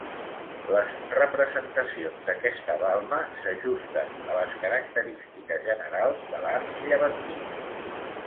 Les representacions d'aquesta balma s'ajusten a les característiques generals de l'art llevantí.